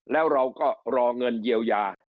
แล้วเราก็รอเงินเยียวยา